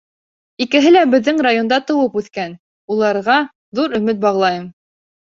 Икеһе лә беҙҙең районда тыуып үҫкән, уларға ҙур өмөт бағлайым.